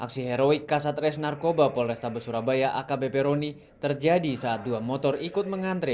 aksi heroik kasat res narkoba polrestabes surabaya akbp roni terjadi saat dua motor ikut mengantre